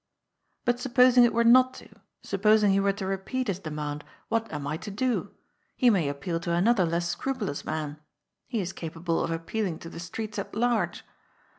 '' But supposing it were not to, supposing he were to re peat his demand, what am I to do? He may appeal to an other less scrupulous man. He is capable of appealing to the streets at large.